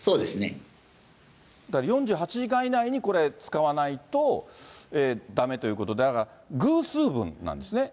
だから４８時間以内にこれ、使わないとだめということで、だから偶数分なんですね。